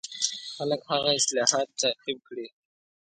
خلک هغه اصلاحات تعقیب کړي.